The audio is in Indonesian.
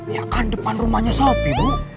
ya kan depan rumahnya sopi bu